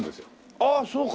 ああそうか！